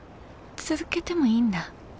続けてもいいんだ。